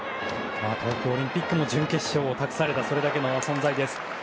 東京オリンピックも準決勝を託されたそれだけの存在です。